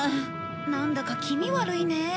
なんだか気味悪いね。